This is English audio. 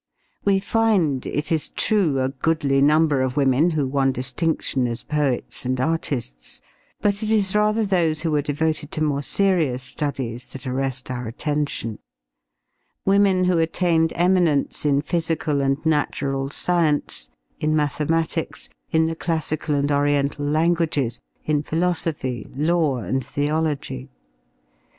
We find, it is true, a goodly number of women who won distinction as poets and artists; but it is rather those who were devoted to more serious studies that arrest our attention women who attained eminence in physical and natural science, in mathematics, in the classical and oriental languages, in philosophy, law and theology.